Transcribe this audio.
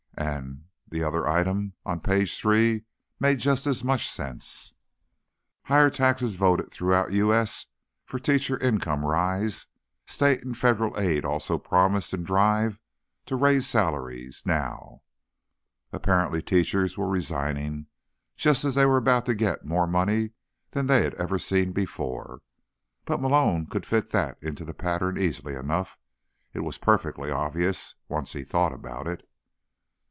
And the other item, on page three, made just as much sense: HIGHER TAXES VOTED THROUGHOUT U.S. FOR TEACHER INCOME RISE State and Federal Aid Also Promised in Drive to Raise Salaries Now Apparently, teachers were resigning just as they were about to get more money than they'd ever seen before. But Malone could fit that into the pattern easily enough; it was perfectly obvious, once he thought about it.